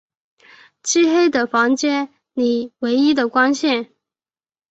漆黑的房里唯一的光线